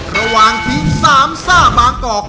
ระหว่างทีมสามซ่าบางกอก